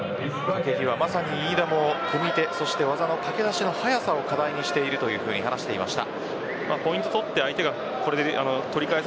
掛け際はまさに飯田も組み手そして技の掛け出しの速さを課題にしていると話していました。